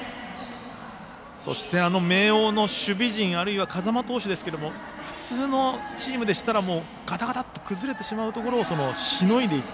そして、明桜の守備陣あるいは風間投手ですが普通のチームでしたらがたがたと崩れてしまうところをしのいでいった。